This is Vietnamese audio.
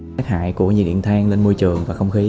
tác hại của nhiệt điện thang lên môi trường và không khí